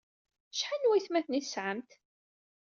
Acḥal n waytmaten ay tesɛamt?